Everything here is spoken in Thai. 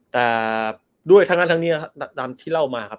แต่ด้วยทางนั้นทางนี้ตามที่เล่ามาครับ